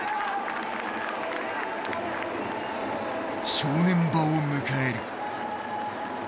正念場を迎える。